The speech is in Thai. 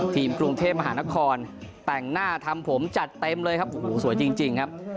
ทีมกรุงเทพมหานครแต่งหน้าทำผมจัดเต็มเลยครับโอ้โหสวยจริงครับ